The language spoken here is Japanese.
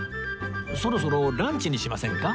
そろそろランチにしませんか？